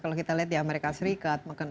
kalau kita lihat di amerika serikat